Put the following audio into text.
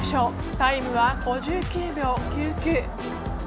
タイムは５９秒９９。